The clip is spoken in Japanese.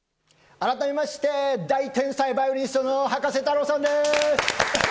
改めまして、大天才バイオリニストの葉加瀬太郎さんです！